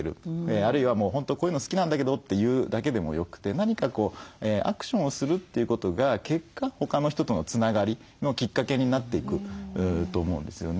あるいはもう本当「こういうの好きなんだけど」って言うだけでもよくて何かアクションをするということが結果他の人とのつながりのきっかけになっていくと思うんですよね。